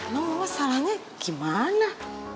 kenapa masalahnya gimana